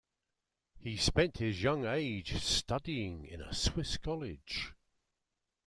He spent his young age studying in a Swiss college.